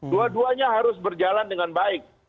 dua duanya harus berjalan dengan baik